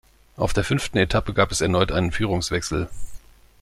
Auf der fünften Etappe gab es erneut einen Führungswechsel.